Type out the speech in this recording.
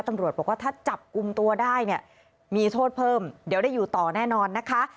ตำรวจบอกว่าถ้าจับกลุ่มตัวได้เนี่ยมีโทษเพิ่มเดี๋ยวได้อยู่ต่อแน่นอนนะคะ